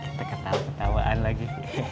kita ketawa ketawaan lagi